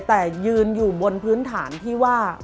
แต่ยืนอยู่บนพื้นฐานที่ว่า